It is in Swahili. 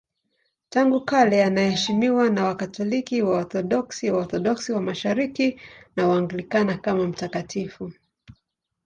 Tangu kale anaheshimiwa na Wakatoliki, Waorthodoksi, Waorthodoksi wa Mashariki na Waanglikana kama mtakatifu.